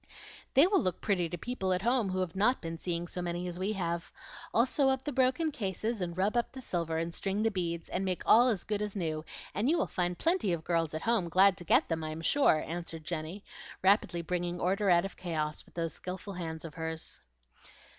"They will look pretty to people at home who have not been seeing so many as we have. I'll sew up the broken cases, and rub up the silver, and string the beads, and make all as good as new, and you will find plenty of girls at home glad to get them, I am sure," answered Jenny, rapidly bringing order out of chaos with those skilful hands of hers.